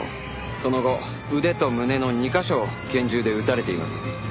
その後腕と胸の２カ所を拳銃で撃たれています。